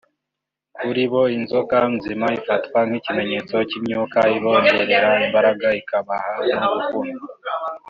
kuri bo inzoka nzima ifatwa nk’ikimenyetso cy’imyuka ibongerera imbaraga ikabaha no gukundwa